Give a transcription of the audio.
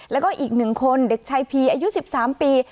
แล้วก็อีก๑คนเด็กชายพีอายุ๑๓ปี